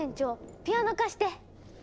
ピアノ貸して！